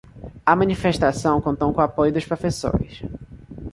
A manifestação contou com apoio dos professores